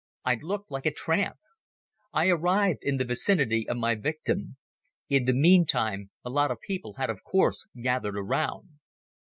I looked like a tramp. I arrived in the vicinity of my victim. In the meantime, a lot of people had of course gathered around.